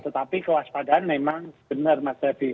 tetapi kewaspadaan memang benar mas ferdi